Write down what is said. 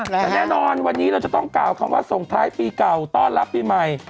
แต่แน่นอนวันนี้เราจะต้องกล่าวคำว่าส่งท้ายปีเก่าต้อนรับปีใหม่